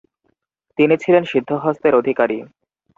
তিনি ছিলেন সিদ্ধহস্তের অধিকারী।